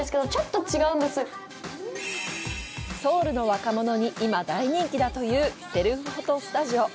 ソウルの若者に、今、大人気だというセルフフォトスタジオ。